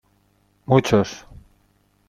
¡ muchos!